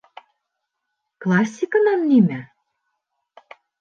Классиканан нимә?